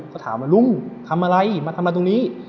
ก็ถามว่าลุงทำอะไรมาทำอะไรตรงนี้